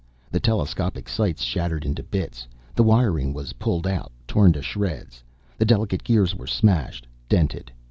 The telescopic sights shattered into bits. The wiring was pulled out, torn to shreds. The delicate gears were smashed, dented.